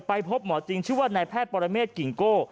พบหมอจริงชื่อว่านายแพทย์ปรเมฆกิ่งโก้